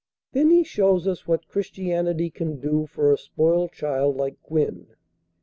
Then he shows us what Christianity can do for a spoiled child, like Gwen.